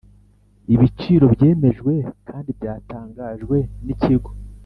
ibiciro byemejwe kandi byatangajwe n ikigo